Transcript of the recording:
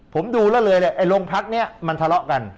ผมดูแล้วเลยไอ้โรงพักนี้มันทะเลาะกัน